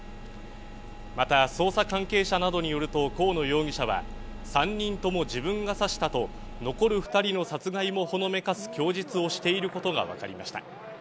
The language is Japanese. また、捜査関係者などによると、河野容疑者は、３人とも自分が刺したと残る２人の殺害もほのめかす供述をしていることが分かりました。